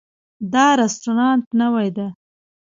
دا رستورانت نوی ده